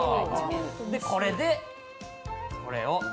これで、これを。